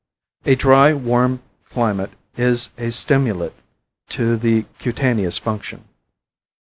A dry, warm climate is a stimulant to the cutaneous function.